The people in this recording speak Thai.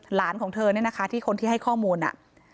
หลานของเธอเนี่ยนะคะที่คนที่ให้ข้อมูลอ่ะ